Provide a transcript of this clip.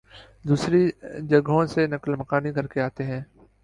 دوسری جگہوں سے نقل مکانی کرکے آتے ہیں